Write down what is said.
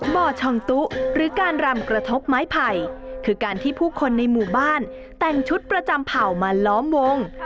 บ่อช่องตุ๊หรือการรำกระทบไม้ไผ่คือการที่ผู้คนในหมู่บ้านแต่งชุดประจำเผ่ามาล้อมวง